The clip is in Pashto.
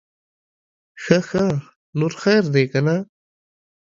ښه ښه, نور خير دے که نه؟